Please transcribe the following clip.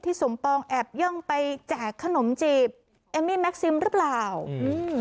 สมปองแอบย่องไปแจกขนมจีบเอมมี่แม็กซิมหรือเปล่าอืม